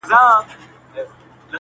لا به تر څو د کربلا له تورو،